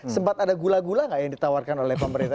sempat ada gula gula gak yang ditawarkan oleh pemerintah